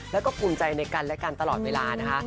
แล้วก็ภูมิใจในกันและกันตลอดเวลานะคะ